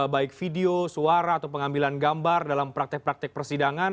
baik video suara atau pengambilan gambar dalam praktek praktek persidangan